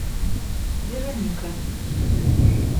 Вероника